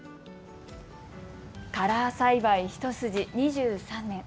カラー栽培ひと筋２３年。